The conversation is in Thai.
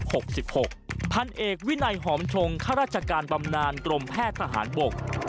พันเอกวินัยหอมชงข้าราชการบำนานกรมแพทย์ทหารบก